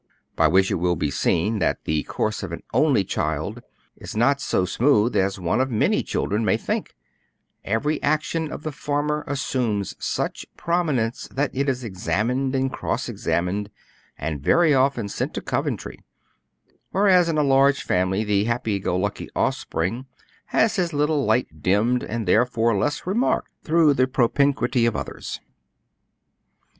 By which it will be seen that the course of an only child is not so smooth as one of many children may think; every action of the former assumes such prominence that it is examined and cross examined, and very often sent to Coventry; whereas, in a large family, the happy go lucky offspring has his little light dimmed, and therefore less remarked, through the propinquity of others.